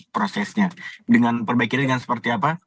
prosesnya dengan perbaiki dengan seperti apa